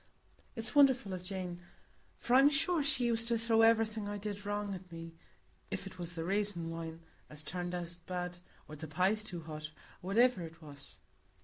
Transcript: It's wonderful o' Jane; for I'm sure she used to throw everything I did wrong at me,—if it was the raisin wine as turned out bad, or the pies too hot, or whativer it was."